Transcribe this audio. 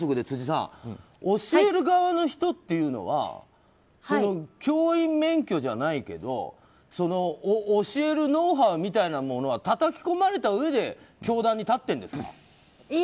辻さん教える側の人っていうのは教員免許じゃないけど教えるノウハウみたいなものはたたき込まれたうえで教壇に立ってるんですか？